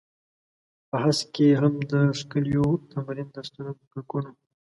په هسک کې هم د ښکليو و تمرين د سترگکونو.